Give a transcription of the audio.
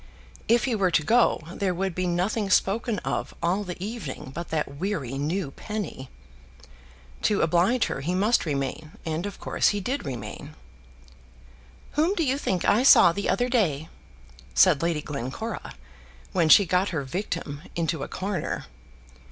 If he were to go there would be nothing spoken of all the evening, but that weary new penny. To oblige her he must remain; and, of course, he did remain. "Whom do you think I saw the other day?" said Lady Glencora, when she got her victim into a corner.